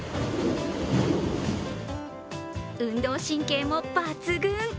運動神経も抜群。